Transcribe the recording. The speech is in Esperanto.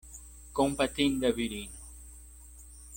Kompatinda virino!